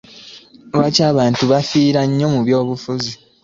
Lwaki abantu bafiira nnyo mu by'obufuzi?